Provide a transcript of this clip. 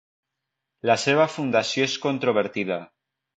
La seva fundació és controvertida.